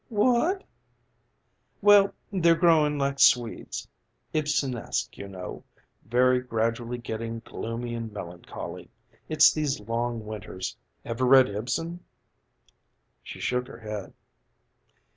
"What?" "Well, they're growing' like Swedes Ibsenesque, you know. Very gradually getting gloomy and melancholy. It's these long winters. Ever read Ibsen?" She shook her head.